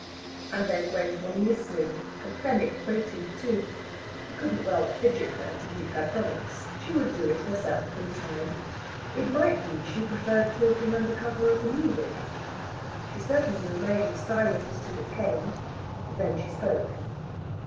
And then went on listening, and Fenwick waited, too. He couldn't well fidget her to keep her promise; she would do it of herself in time. It might be she preferred talking under cover of the music. She certainly remained silent till it came; then she spoke.